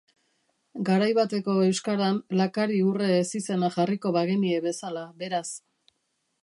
Garai bateko euskaran lakari-urre ezizena jarriko bagenie bezala, beraz.